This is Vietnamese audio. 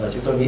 chúng tôi nghĩ